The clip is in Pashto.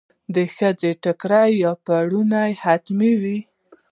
د ښځو ټیکری یا پړونی حتمي وي.